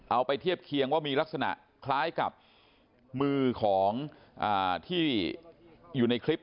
เอาไปเทียบเคียงว่ามีลักษณะคล้ายกับมือของที่อยู่ในคลิป